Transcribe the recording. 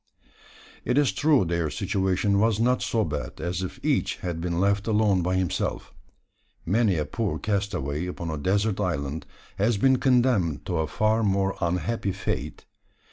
It is true their situation was not so bad as if each had been left alone by himself. Many a poor castaway upon a desert island has been condemned to a far more unhappy fate.